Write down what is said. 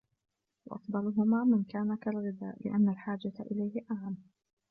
وَأَفْضَلُهُمَا مَنْ كَانَ كَالْغِذَاءِ ؛ لِأَنَّ الْحَاجَةَ إلَيْهِ أَعَمُّ